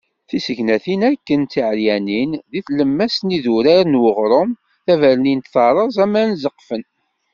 Tisegnatin akken d tiɛeryanin di tlemmast n idurar n uɣrum. Tabernint terreẓ aman ẓeqfen.